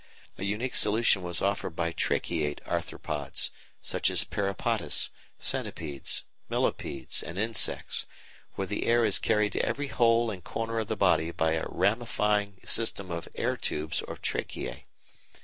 A unique solution was offered by Tracheate Arthropods, such as Peripatus, Centipedes, Millipedes, and Insects, where the air is carried to every hole and corner of the body by a ramifying system of air tubes or tracheæ.